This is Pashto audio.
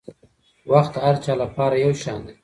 وخت د هر چا لپاره یو شان دی.